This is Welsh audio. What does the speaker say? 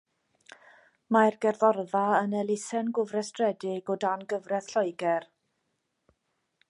Mae'r gerddorfa yn elusen gofrestredig o dan gyfraith Lloegr.